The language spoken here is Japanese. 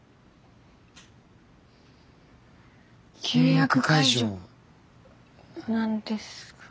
契約解除なんですが。